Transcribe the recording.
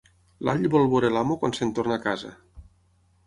L'all vol veure l'amo quan se'n torna a casa.